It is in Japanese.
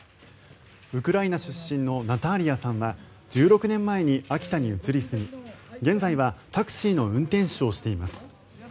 ウクライナ出身のナターリアさんは１６年前に秋田に移り住み現在はタクシーの運転手をしています。